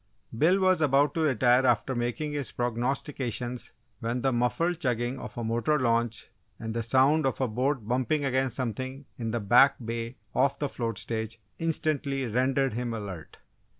Bill was about to retire after making his prognostications when the muffled chugging of a motor launch and the sound of a boat bumping against something in the back bay off the float stage, instantly rendered him alert.